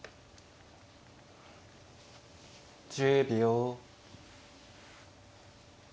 １０秒。